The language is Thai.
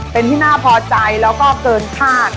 เป็นที่น่าพอใจแล้วก็เกินคาด